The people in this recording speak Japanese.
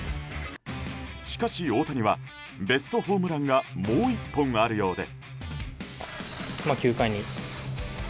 しかし大谷はベストホームランがもう１本あるようで。